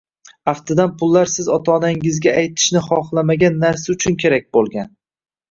Aftidan pullar siz ota-onangizga aytishni xohlamagan narsa uchun kerak bo‘lgan